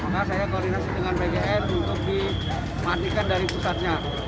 maka saya koordinasi dengan pgn untuk dimatikan dari pusatnya